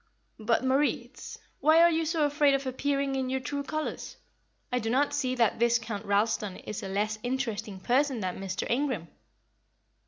"But, Moritz, why are you so afraid of appearing in your true colours? I do not see that Viscount Ralston is a less interesting person than Mr. Ingram."